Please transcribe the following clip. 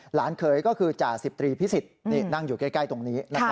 เคยก็คือจ่าสิบตรีพิสิทธิ์นั่งอยู่ใกล้ตรงนี้